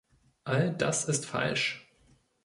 All das ist falsch.